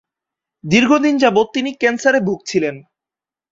দীর্ঘদিন যাবত তিনি ক্যান্সারে ভুগছিলেন।